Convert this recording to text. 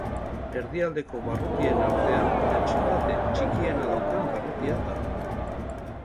Erdialdeko barrutien artean dentsitate txikiena daukan barrutia da.